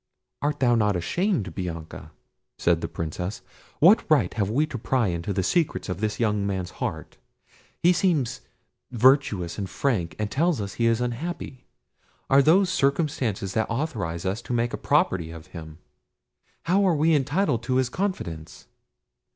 "Art thou not ashamed, Bianca!" said the Princess. "What right have we to pry into the secrets of this young man's heart? He seems virtuous and frank, and tells us he is unhappy. Are those circumstances that authorise us to make a property of him? How are we entitled to his confidence?"